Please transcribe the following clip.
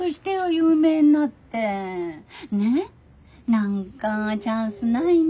何かチャンスないの？